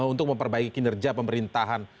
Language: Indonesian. untuk memperbaiki kinerja pemerintahan